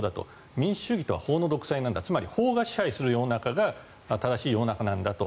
民主主義とは法の独裁なんだとつまり法が支配する世の中が正しい世の中なんだと。